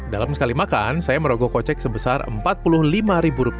dalam sekali makan saya merogoh kocek sebesar rp empat puluh lima